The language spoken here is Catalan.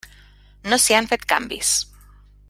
No s'hi han fet canvis.